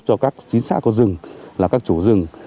cho các chính xã có rừng là các chủ rừng